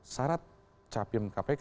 syarat capim kpk